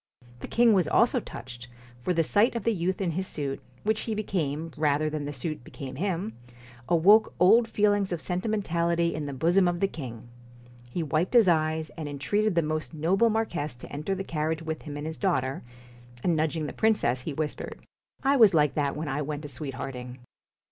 The king was also touched, for the sight of the youth in this suit which he became, rather than the suit became him awoke old feelings of senti B 17 PUSS IN mentality in the bosom of the king; he wiped his BOOTS eyes, and entreated the most noble marquess to enter the carriage with him and his daughter; and nudging the princess, he whispered :' I was like that when I went a sweethearting.'